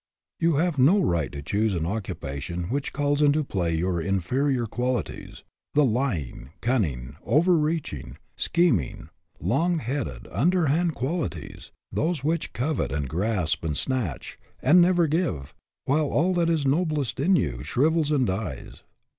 You have no right to choose an occupa tion which calls into play your inferior quali ties, the lying, cunning, overreaching, schem ing, long headed, underhanded qualities, those which covet and grasp and snatch, and never give, while all that is noblest in you shrivels and dies.